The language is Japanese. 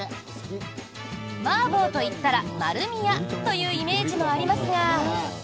マーボと言ったら丸美屋というイメージもありますが。